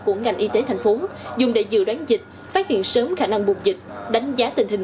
của ngành y tế thành phố dùng để dự đoán dịch phát hiện sớm khả năng buộc dịch đánh giá tình hình